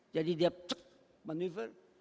jadi dia manuver